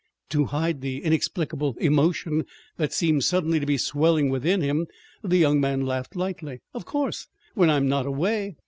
To hide the inexplicable emotion that seemed suddenly to be swelling within him, the young man laughed lightly. "Of course when I'm not away!"